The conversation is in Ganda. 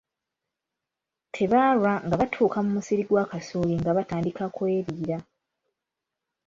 Tebaalwa nga batuuka mu musiri gw'akasooli nga batandika kweriira.